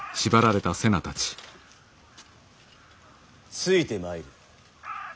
ついてまいれ。